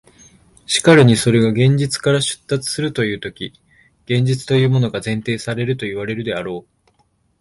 しかるにそれが現実から出立するというとき、現実というものが前提されるといわれるであろう。